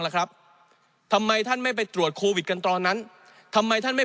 ล่ะครับทำไมท่านไม่ไปตรวจโควิดกันตอนนั้นทำไมท่านไม่